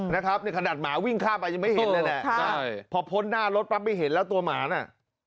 นะครับในขนาดหมาวิ่งข้ามไปยังไม่เห็นเลยแหละใช่พอพ้นหน้ารถปั๊บไม่เห็นแล้วตัวหมาน่ะ